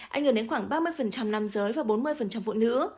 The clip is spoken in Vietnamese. ảnh hưởng đến khoảng ba mươi nam giới và bốn mươi phụ nữ